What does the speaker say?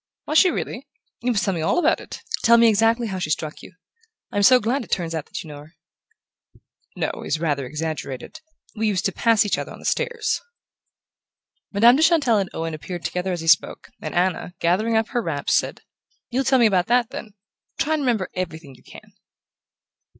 "Was she really? You must tell me all about it tell me exactly how she struck you. I'm so glad it turns out that you know her." "'Know' is rather exaggerated: we used to pass each other on the stairs." Madame de Chantelle and Owen appeared together as he spoke, and Anna, gathering up her wraps, said: "You'll tell me about that, then. Try and remember everything you can."